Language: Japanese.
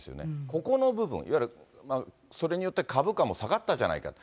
ここの部分、いわゆる、それによって株価も下がったじゃないかと。